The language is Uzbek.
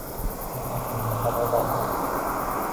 Sevar ilmi tabobatni